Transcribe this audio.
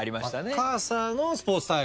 マッカーサーのスポーツ大会。